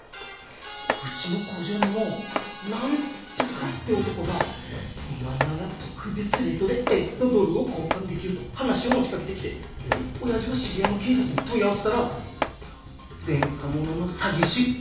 うちの工場にもナントカって男が今なら特別レートで円とドルを交換できると話を持ちかけてきて親父が知り合いの警察に問い合わせたら前科者の詐欺師。